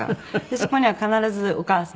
そこには必ずお母さん。